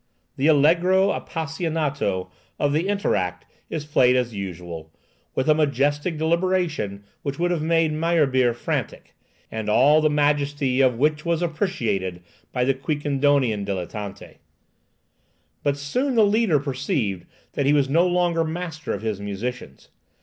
The allegro appassionato of the inter act is played as usual, with a majestic deliberation which would have made Meyerbeer frantic, and all the majesty of which was appreciated by the Quiquendonian dilettanti. But soon the leader perceived that he was no longer master of his musicians.